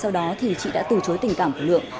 sau đó thì chị đã từ chối tình cảm của lượng